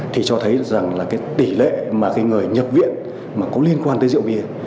thì cho thấy tỷ lệ người nhập viện có liên quan tới rượu bia